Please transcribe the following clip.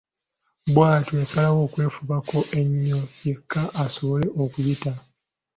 Bw’atyo yasalawo okwefubako ennyo yekka asobole okuyita.